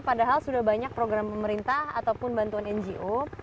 padahal sudah banyak program pemerintah ataupun bantuan ngo